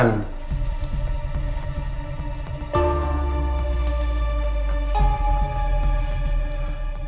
aku mau ke rumah